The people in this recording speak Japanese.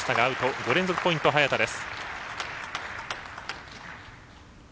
５連続ポイント、早田です。